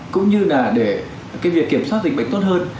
cũng như là để cái việc kiểm soát dịch bệnh tốt hơn